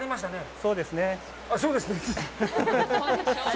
そうですね。